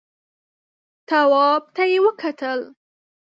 تواب ته يې وکتل.